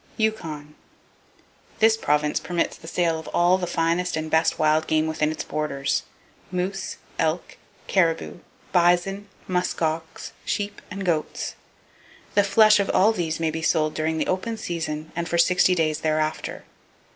Yukon. —This province permits the sale of all the finest and best wild game within its borders,—moose, elk, caribou, bison, musk ox, sheep and goats! The flesh of all these may be sold during the open season, and for sixty days thereafter.